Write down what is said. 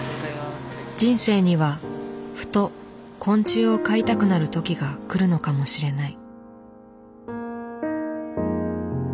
人生にはふと昆虫を飼いたくなるときが来るのかもしれない。